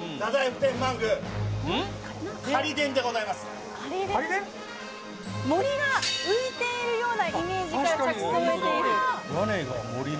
皆さんこちら森が浮いているようなイメージから着想を得ている。